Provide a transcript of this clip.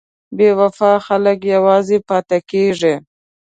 بې وفا خلک یوازې پاتې کېږي.